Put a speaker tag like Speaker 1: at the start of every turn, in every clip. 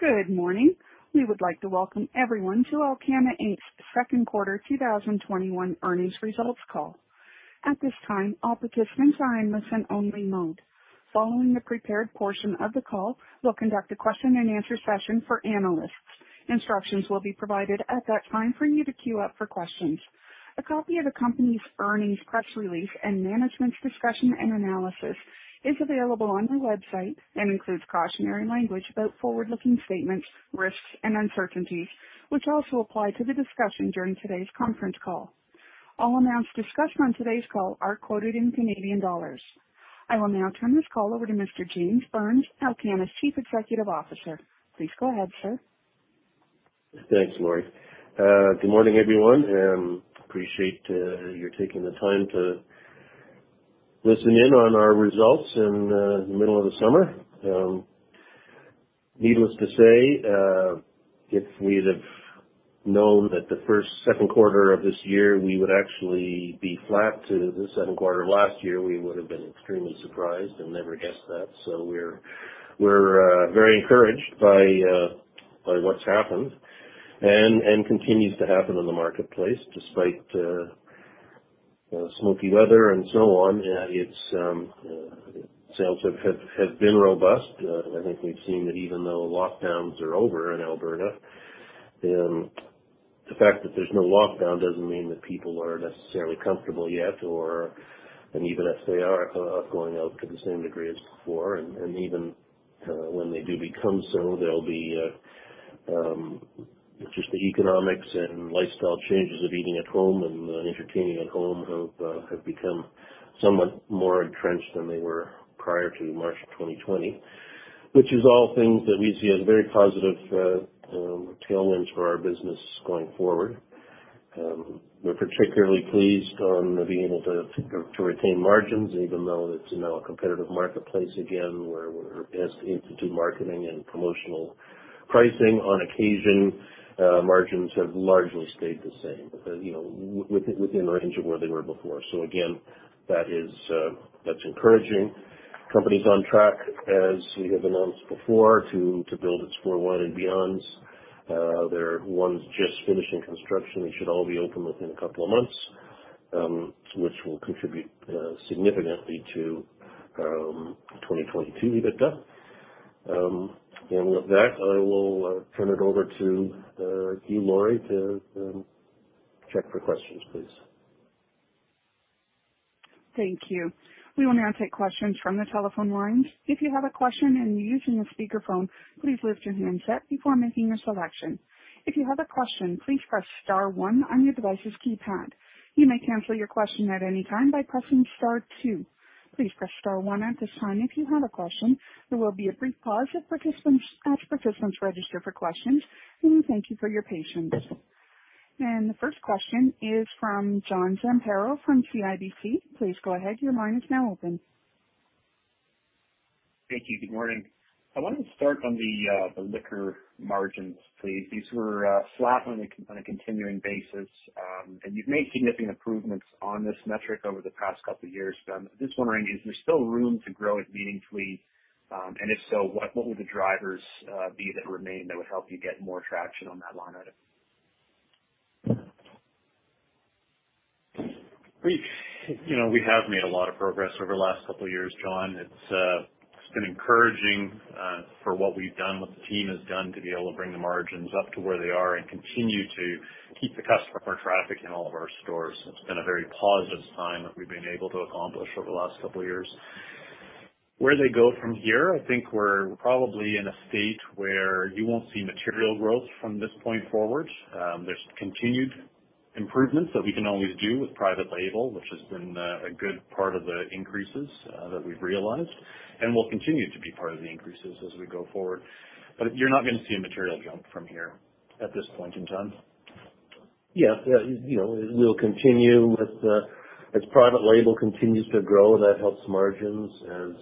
Speaker 1: Good morning. We would like to welcome everyone to Alcanna Inc.'s Second Quarter 2021 Earnings Results Call. At this time, all participants are in listen-only mode. Following the prepared portion of the call, we'll conduct a question-and-answer session for analysts. Instructions will be provided at that time for you to queue up for questions. A copy of the company's earnings press release and management's discussion and analysis is available on our website and includes cautionary language about forward-looking statements, risks, and uncertainties which also apply to the discussion during today's conference call. All amounts discussed on today's call are quoted in Canadian dollars. I will now turn this call over to Mr. James Burns, Alcanna's Chief Executive Officer. Please go ahead, sir.
Speaker 2: Thanks, Lori. Good morning, everyone, and appreciate your taking the time to listen in on our results in the middle of the summer. Needless to say, if we'd have known that the first second quarter of this year, we would actually be flat to the second quarter of last year, we would have been extremely surprised and never guessed that. We're very encouraged by what's happened and continues to happen in the marketplace, despite the smoky weather and so on. Its sales have been robust. I think we've seen that even though lockdowns are over in Alberta, the fact that there's no lockdown doesn't mean that people are necessarily comfortable yet, or even if they are going out to the same degree as before. Even when they do become so, just the economics and lifestyle changes of eating at home and entertaining at home have become somewhat more entrenched than they were prior to March 2020, which is all things that we see as very positive tailwinds for our business going forward. We're particularly pleased on being able to retain margins even though it's now a competitive marketplace again where we're asked to do marketing and promotional pricing on occasion. Margins have largely stayed the same within range of where they were before. Again, that's encouraging. Company's on track, as we have announced before, to build its four Wine and Beyonds. There are ones just finishing construction. They should all be open within a couple of months, which will contribute significantly to 2022 EBITDA. With that, I will turn it over to you, Lori, to check for questions, please.
Speaker 1: Thank you. We will now take questions from the telephone lines. If you have a question and you're using a speakerphone, please lift your handset before making your selection. If you have a question, please press star one on your device's keypad. You may cancel your question at any time by pressing star two. Please press star one at this time if you have a question. There will be a brief pause as participants register for questions, and we thank you for your patience. The first question is from John Zamparo from CIBC. Please go ahead. Your line is now open.
Speaker 3: Thank you. Good morning. I wanted to start on the liquor margins, please. These were flat on a continuing basis, and you've made significant improvements on this metric over the past couple of years. I'm just wondering, is there still room to grow it meaningfully? If so, what will the drivers be that remain that would help you get more traction on that line item?
Speaker 2: We have made a lot of progress over the last two years, John. It's been encouraging for what we've done, what the team has done to be able to bring the margins up to where they are and continue to keep the customer traffic in all of our stores. It's been a very positive sign that we've been able to accomplish over the last two years. Where they go from here, I think we're probably in a state where you won't see material growth from this point forward. There's continued improvements that we can always do with private label, which has been a good part of the increases that we've realized and will continue to be part of the increases as we go forward. You're not going to see a material jump from here at this point in time. Yes. We'll continue as private label continues to grow. That helps margins as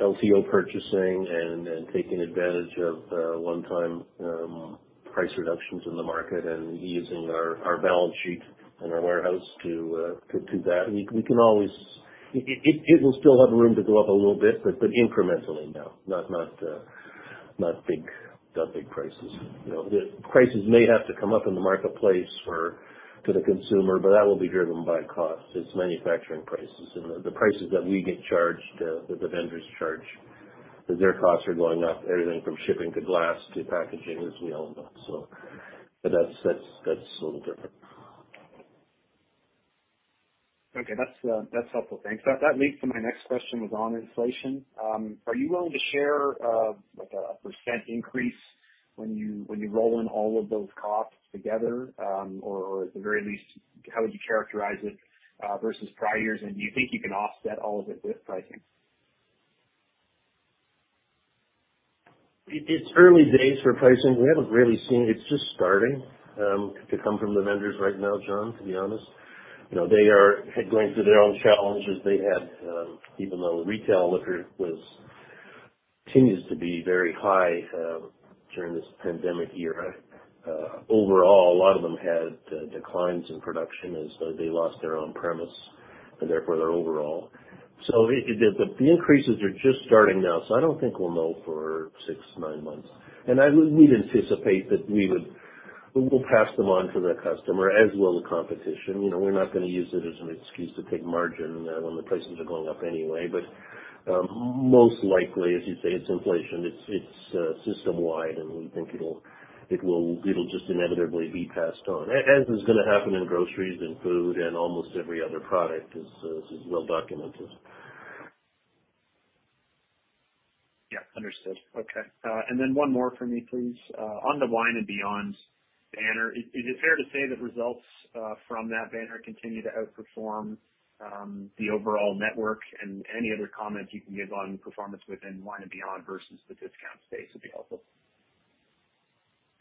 Speaker 2: LTO purchasing and taking advantage of one-time price reductions in the market and using our balance sheet and our warehouse to do that. It will still have room to go up a little bit, incrementally now, not big prices. The prices may have to come up in the marketplace to the consumer, that will be driven by cost. It's manufacturing prices and the prices that we get charged, that the vendors charge as their costs are going up, everything from shipping to glass to packaging, as we all know. That's a little different.
Speaker 3: Okay. That's helpful. Thanks. That leads to my next question was on inflation. Are you willing to share, like a % increase when you roll in all of those costs together? At the very least, how would you characterize it versus prior years? Do you think you can offset all of it with pricing?
Speaker 2: It's early days for pricing. It's just starting to come from the vendors right now, John, to be honest. They are going through their own challenges. Even though retail liquor continues to be very high during this pandemic year, overall, a lot of them had declines in production as they lost their on-premise. Therefore they're overall. The increases are just starting now, so I don't think we'll know for six to nine months. We'd anticipate that we would pass them on to the customer, as will the competition. We're not going to use it as an excuse to take margin when the prices are going up anyway. Most likely, as you say, it's inflation. It's system wide, we think it'll just inevitably be passed on. As is going to happen in groceries and food and almost every other product, as is well documented.
Speaker 3: Yeah, understood. Okay. One more from me, please. On the Wine and Beyond banner, is it fair to say that results from that banner continue to outperform the overall network? Any other comments you can give on performance within Wine and Beyond versus the discount space would be helpful.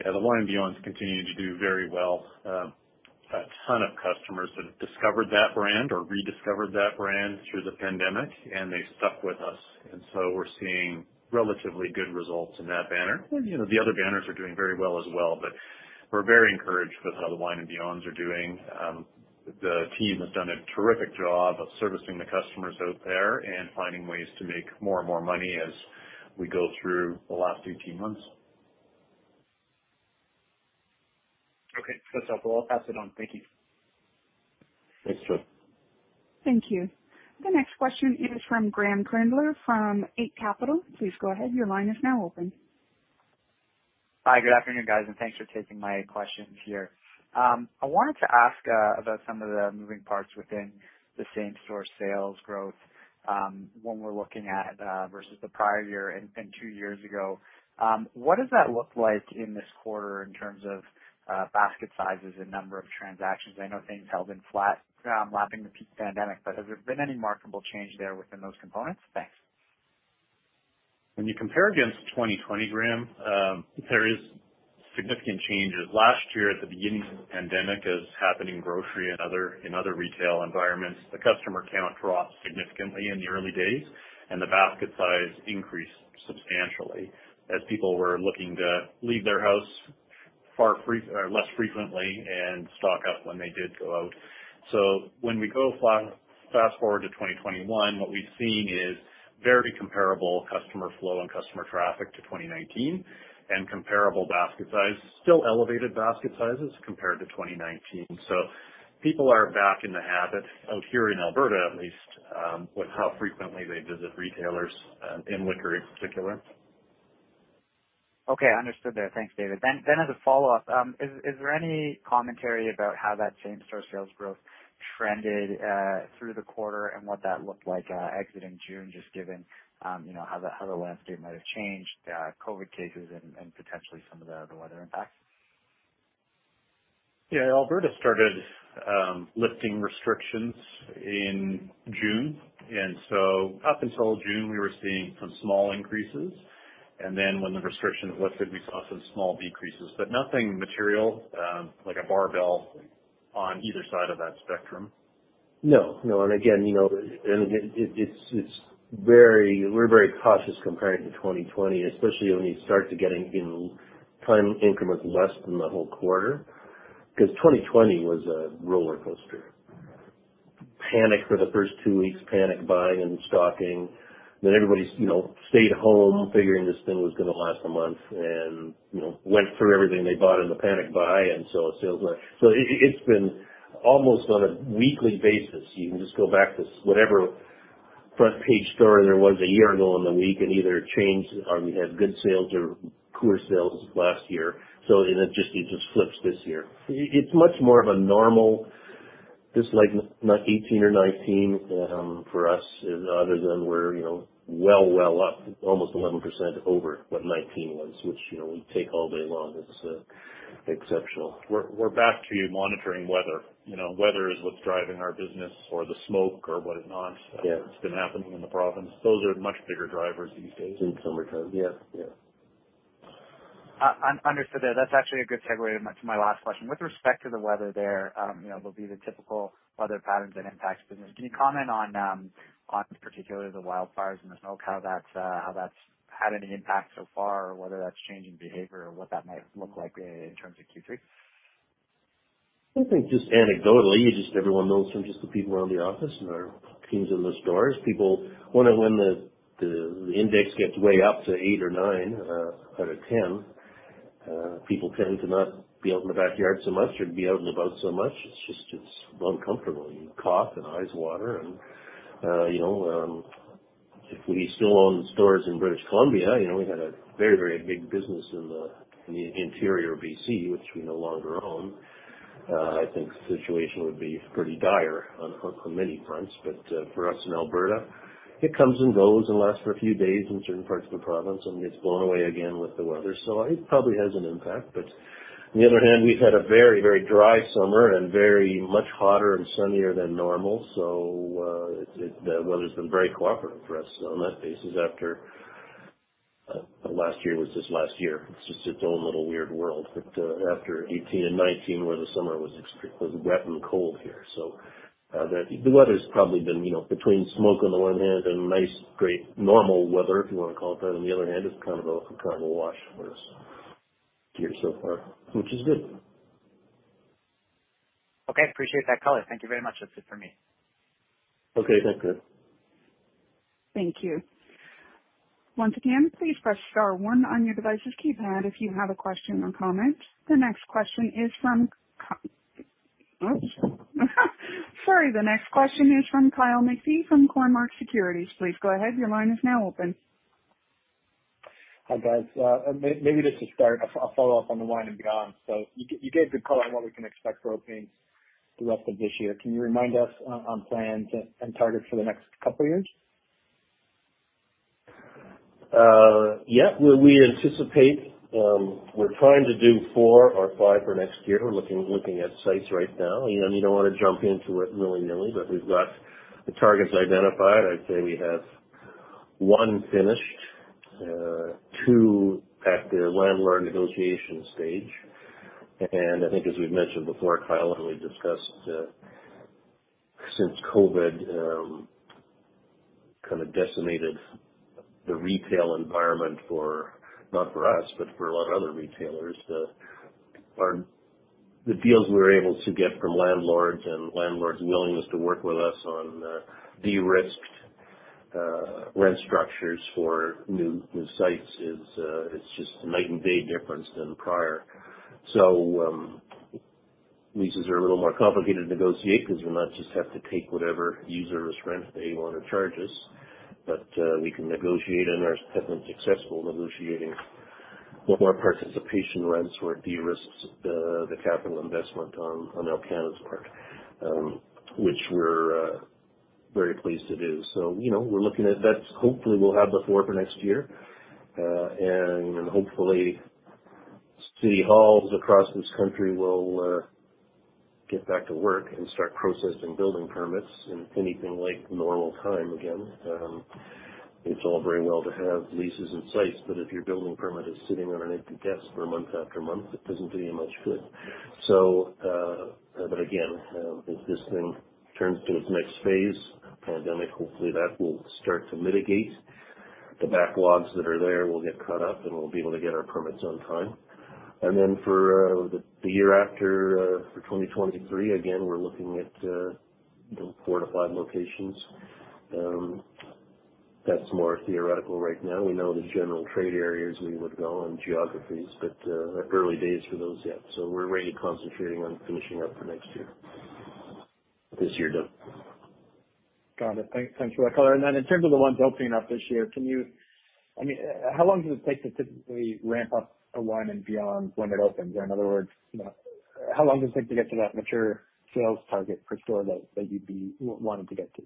Speaker 2: Yeah. The Wine and Beyonds continue to do very well. A ton of customers have discovered that brand or rediscovered that brand through the pandemic, they stuck with us. We're seeing relatively good results in that banner. The other banners are doing very well as well, but we're very encouraged with how the Wine and Beyonds are doing. The team has done a terrific job of servicing the customers out there and finding ways to make more and more money as we go through the last 18 months.
Speaker 3: Okay. That's helpful. I'll pass it on. Thank you.
Speaker 2: Thanks, Troy.
Speaker 1: Thank you. The next question is from Graeme Kreindler from Eight Capital. Please go ahead. Your line is now open.
Speaker 4: Hi. Good afternoon, guys, and thanks for taking my questions here. I wanted to ask about some of the moving parts within the same store sales growth, when we're looking at versus the prior year and two years ago. What does that look like in this quarter in terms of basket sizes and number of transactions? I know things held in flat, lapping the peak pandemic, but has there been any marketable change there within those components? Thanks.
Speaker 5: When you compare against 2020, Graeme, there is significant changes. Last year at the beginning of the pandemic, as happened in grocery and in other retail environments, the customer count dropped significantly in the early days, and the basket size increased substantially as people were looking to leave their house less frequently and stock up when they did go out. When we go fast-forward to 2021, what we've seen is very comparable customer flow and customer traffic to 2019 and comparable basket size. Still elevated basket sizes compared to 2019. People are back in the habit, out here in Alberta at least, with how frequently they visit retailers, in liquor in particular.
Speaker 4: Okay, understood there. Thanks, David. As a follow-up, is there any commentary about how that same store sales growth trended through the quarter and what that looked like exiting June, just given how the last year might have changed COVID cases and potentially some of the other weather impacts?
Speaker 5: Yeah, Alberta started lifting restrictions in June, and so up until June, we were seeing some small increases, and then when the restriction lifted, we saw some small decreases. Nothing material, like a barbell on either side of that spectrum.
Speaker 2: No. Again, we're very cautious comparing to 2020, especially when you start to get in time increments less than the whole quarter, because 2020 was a roller coaster. Panic for the first two weeks, panic buying and stocking. Everybody stayed home figuring this thing was going to last a month and went through everything they bought in the panic buy. It's been almost on a weekly basis. You can just go back to whatever front page story there was a year ago in the week and either it changed or we had good sales or poorer sales last year. It just flips this year. It's much more of a normal, just like 2018 or 2019, for us other than we're well up, almost 11% over what 2019 was, which we'd take all day long. This is exceptional.
Speaker 5: We're back to monitoring weather. Weather is what's driving our business or the smoke or what not.
Speaker 2: Yeah
Speaker 5: that's been happening in the province. Those are much bigger drivers these days.
Speaker 2: In summertime. Yeah.
Speaker 4: Understood there. That's actually a good segue to my last question. With respect to the weather there'll be the typical weather patterns and impacts business. Can you comment on, particularly the wildfires and the smoke, how that's had any impact so far or whether that's changing behavior or what that might look like in terms of Q3?
Speaker 2: I think just anecdotally, just everyone knows from just the people around the office and our teams in the stores, people, when the index gets way up to eight or nine out of 10, people tend to not be out in the backyard so much or be out and about so much. It's just uncomfortable. You cough and eyes water and if we still owned stores in British Columbia, we had a very big business in the interior BC, which we no longer own. I think the situation would be pretty dire on many fronts. For us in Alberta, it comes and goes and lasts for a few days in certain parts of the province and gets blown away again with the weather. It probably has an impact, but on the other hand, we've had a very dry summer and very much hotter and sunnier than normal. The weather's been very cooperative for us on that basis after Last year was just last year. It's its own little weird world. After 2018 and 2019 where the summer was wet and cold here. The weather's probably been, between smoke on the one hand and nice great normal weather, if you want to call it that, on the other hand, it's kind of a wash for us year so far, which is good.
Speaker 4: Okay. Appreciate that color. Thank you very much. That's it for me.
Speaker 2: Okay. Thanks, Graeme.
Speaker 1: Thank you. Once again, please press star one on your device's keypad if you have a question or comment. The next question is from Kyle McPhee from Cormark Securities. Please go ahead. Your line is now open.
Speaker 6: Hi, guys. Maybe just to start, a follow-up on the Wine and Beyond. You gave good color on what we can expect for openings the rest of this year. Can you remind us on plans and targets for the next couple of years?
Speaker 2: Yeah. We're trying to do four or five for next year. We're looking at sites right now, you don't want to jump into it willy-nilly, but we've got the targets identified. I'd say we have one finished, two at their landlord negotiation stage. I think as we've mentioned before, Kyle, and we discussed, since COVID kind of decimated the retail environment, not for us, but for a lot of other retailers, the deals we were able to get from landlords and landlords' willingness to work with us on de-risked rent structures for new sites is just a night and day difference than prior. Leases are a little more complicated to negotiate because we'll not just have to take whatever user's rent they want to charge us, but we can negotiate and are successful negotiating what more participation rents or de-risks the capital investment on Alcanna's part, which we're very pleased it is. We're looking at that. Hopefully, we'll have the four for next year. Hopefully city halls across this country will get back to work and start processing building permits in anything like normal time again. It's all very well to have leases and sites, but if your building permit is sitting on an empty desk for month after month, it doesn't do you much good. Again, if this thing turns to its next phase, the pandemic, hopefully that will start to mitigate. The backlogs that are there will get caught up, and we'll be able to get our permits on time. Then for the year after for 2023, again, we're looking at four to five locations. That's more theoretical right now. We know the general trade areas we would go and geographies, but early days for those yet. We're really concentrating on finishing up for this year.
Speaker 6: Got it. Thanks for that color. In terms of the ones opening up this year, how long does it take to typically ramp up a Wine and Beyond when it opens? Or in other words, how long does it take to get to that mature sales target per store that you'd be wanting to get to?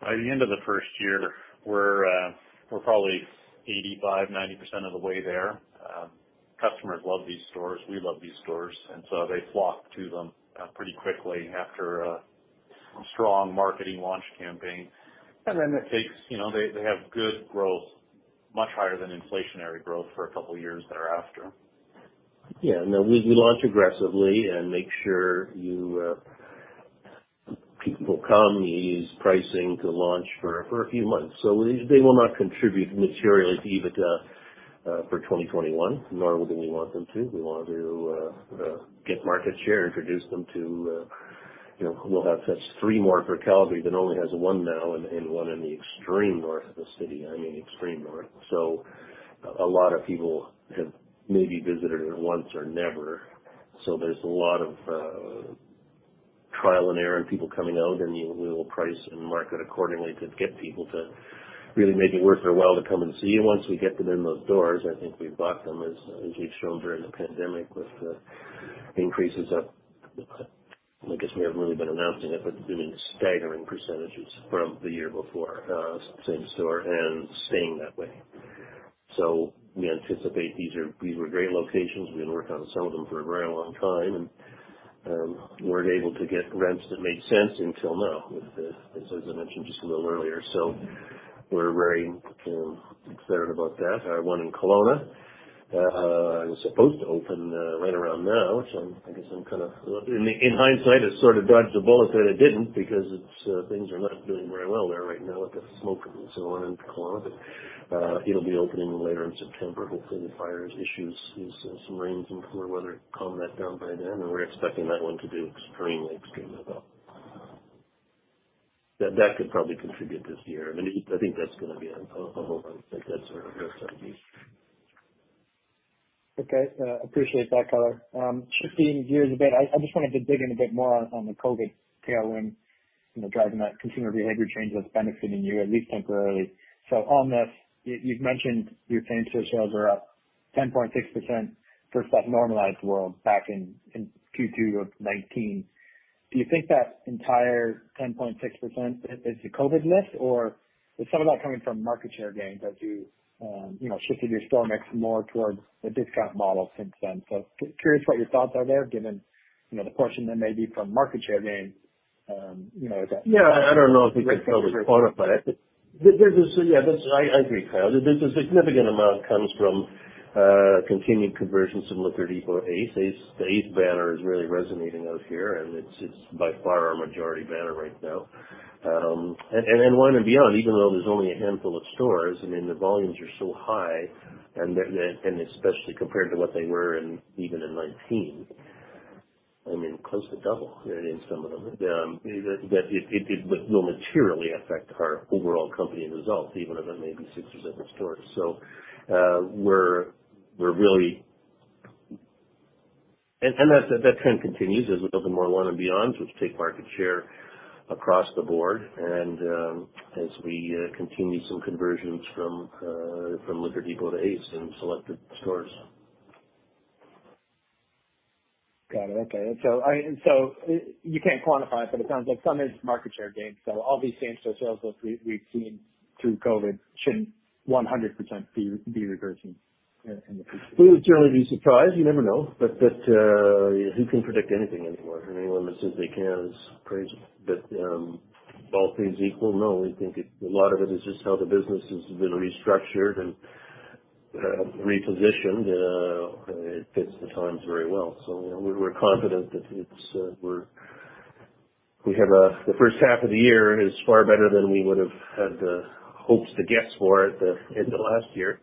Speaker 5: By the end of the first year, we're probably 85%, 90% of the way there. Customers love these stores. We love these stores, and so they flock to them pretty quickly after a strong marketing launch campaign. They have good growth, much higher than inflationary growth for a couple of years thereafter.
Speaker 2: Yeah. No, we launch aggressively and make sure people come. We use pricing to launch for a few months. They will not contribute material to EBITDA for 2021, nor would we want them to. We want to get market share, introduce them to We'll have three more for Calgary that only has one now and one in the extreme north of the city. I mean, extreme north. A lot of people have maybe visited it once or never. There's a lot of trial and error and people coming out, and we will price and market accordingly to get people to really make it worth their while to come and see. Once we get them in those doors, I think we've got them, as we've shown during the pandemic with increases of, I guess we haven't really been announcing it, but been staggering percentages from the year before, same store and staying that way. We anticipate these were great locations. We had worked on some of them for a very long time and weren't able to get rents that made sense until now, as I mentioned just a little earlier. We're very excited about that. One in Kelowna, was supposed to open right around now. I guess In hindsight, it sort of dodged a bullet that it didn't because things are not doing very well there right now with the smoke and so on in Kelowna. It'll be opening later in September. Hopefully, the fires issues, some rain, some cooler weather calm that down by then, and we're expecting that one to do extremely well. That could probably contribute this year. I think that's going to be a whole bunch. That's our best estimate.
Speaker 6: Okay. Appreciate that color. Shifting gears a bit, I just wanted to dig in a bit more on the COVID tailwind, driving that consumer behavior change that's benefiting you, at least temporarily. On this, you've mentioned your same-store sales are up 10.6% versus that normalized world back in Q2 of 2019. Do you think that entire 10.6% is the COVID lift, or is some of that coming from market share gains as you shifted your store mix more towards the discount model since then? Curious what your thoughts are there, given the portion that may be from market share gains.
Speaker 2: Yeah. I don't know if we could tell the quarter. I agree, Kyle. There's a significant amount comes from continued conversions in Liquor Depot Ace. The Ace banner is really resonating out here. It's by far our majority banner right now. Wine and Beyond, even though there's only a handful of stores, I mean, the volumes are so high. Especially compared to what they were even in 2019. I mean, close to double in some of them. It will materially affect our overall company results, even if it may be six or seven stores. That trend continues as we open more Wine and Beyonds, which take market share across the board, and as we continue some conversions from Liquor Depot to Ace in selected stores.
Speaker 6: Got it. Okay. You can't quantify it, but it sounds like some is market share gains. All these same-store sales that we've seen through COVID should 100% be reversing in the future.
Speaker 2: We would certainly be surprised. You never know. Who can predict anything anymore? I mean, anyone that says they can is crazy. All things equal, no, we think a lot of it is just how the business has been restructured and repositioned. It fits the times very well. We're confident that the first half of the year is far better than we would have had the hopes to guess for at the end of last year.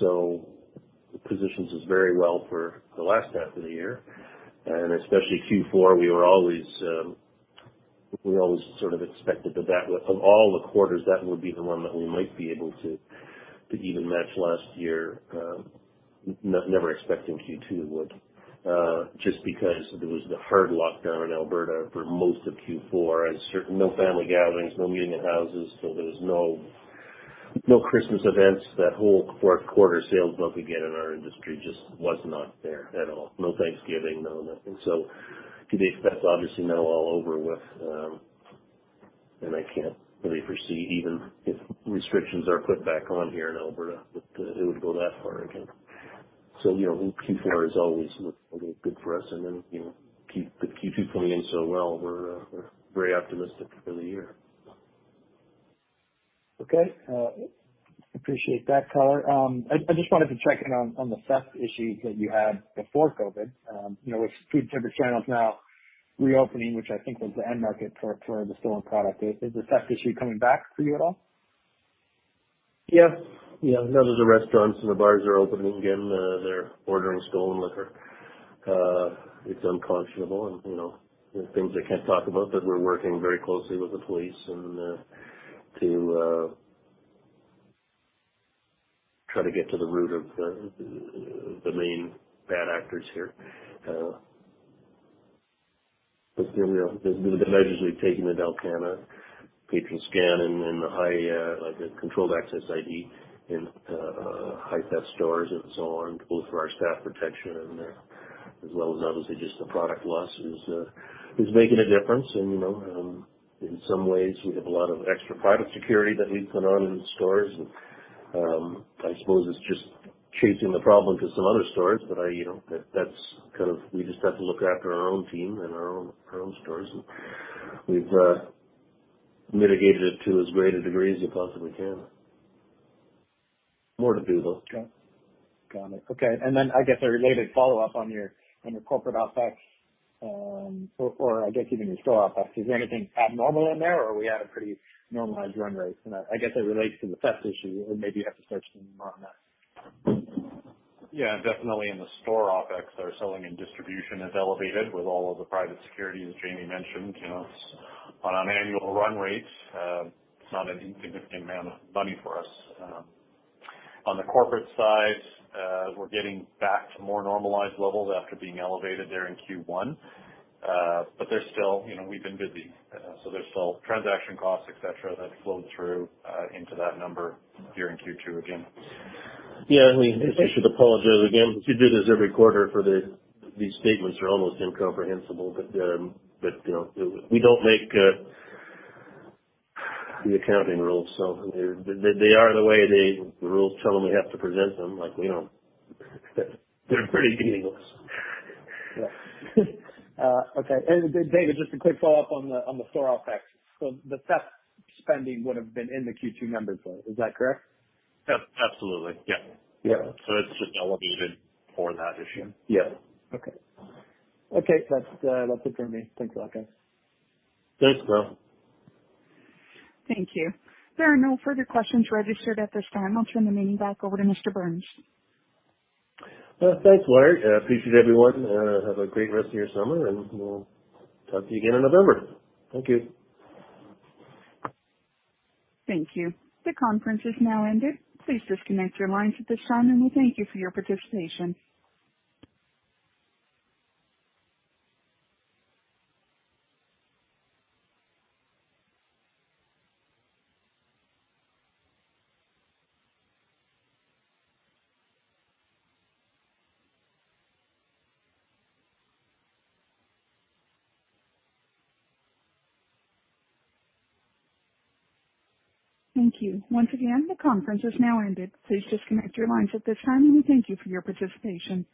Speaker 2: It positions us very well for the last half of the year, and especially Q4, we always sort of expected that of all the quarters, that would be the one that we might be able to even match last year. Never expecting Q2 would, just because there was the hard lockdown in Alberta for most of Q4 and no family gatherings, no meeting at houses. There was no Christmas events. That whole fourth quarter sales bump we get in our industry just was not there at all. No Thanksgiving, no nothing. To the extent, obviously now all over with, and I can't really foresee, even if restrictions are put back on here in Alberta, that it would go that far again. Q4 is always looked a little good for us. Q2 coming in so well, we're very optimistic for the year.
Speaker 6: Okay. Appreciate that, color. I just wanted to check in on the theft issues that you had before COVID. With food service channels now reopening, which I think was the end market for the stolen product, is the theft issue coming back for you at all?
Speaker 2: Yeah. Now that the restaurants and the bars are opening again, they're ordering stolen liquor. It's unconscionable and there are things I can't talk about, but we're working very closely with the police to try to get to the root of the main bad actors here. The measures we've taken with Alcanna, Patronscan, and the controlled access ID in high-theft stores and so on, both for our staff protection and as well as obviously just the product loss, is making a difference. In some ways, we have a lot of extra private security that we've put on in stores, and I suppose it's just chasing the problem to some other stores. We just have to look after our own team and our own stores, and we've mitigated it to as great a degree as you possibly can. More to do, though.
Speaker 6: Got it. Okay. I guess a related follow-up on your corporate OpEx, or I guess even your store OpEx. Is there anything abnormal in there, or are we at a pretty normalized run rate? I guess that relates to the theft issue, or maybe you have to touch more on that?
Speaker 5: Yeah, definitely in the store OpEx, our selling and distribution is elevated with all of the private security that James mentioned. On an annual run rate, it's not a significant amount of money for us. On the corporate side, we're getting back to more normalized levels after being elevated there in Q1. We've been busy, so there's still transaction costs, et cetera, that flowed through into that number here in Q2 again.
Speaker 2: I mean, I should apologize again. We do this every quarter for these statements are almost incomprehensible, but we don't make the accounting rules. They are the way the rules tell them we have to present them. They're pretty meaningless.
Speaker 6: Yeah. Okay. David, just a quick follow-up on the store OpEx. The theft spending would've been in the Q2 numbers, though, is that correct?
Speaker 5: Yep, absolutely. Yeah.
Speaker 2: Yeah.
Speaker 5: It's just elevated for that issue.
Speaker 2: Yeah.
Speaker 6: Okay. That's it for me. Thanks a lot, guys.
Speaker 2: Thanks, Kyle McPhee.
Speaker 1: Thank you. There are no further questions registered at this time. I'll turn the meeting back over to Mr. Burns.
Speaker 2: Thanks, Lori. Appreciate everyone. Have a great rest of your summer, and we'll talk to you again in November. Thank you.
Speaker 1: Thank you. The conference has now ended. Please disconnect your lines at this time, and we thank you for your participation. Thank you. Once again, the conference has now ended. Please disconnect your lines at this time, and we thank you for your participation.